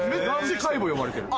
何回も呼ばれてる。